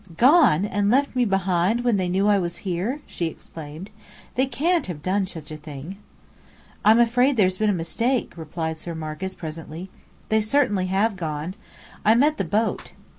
"Gone! And left me behind when they knew I was here?" she exclaimed. "They can't have done such a thing." "I'm afraid there's been a mistake," replied Sir Marcus presently. "They certainly have gone. I met the boat.